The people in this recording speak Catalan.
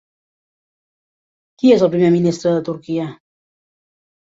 Qui és el primer ministre de Turquia?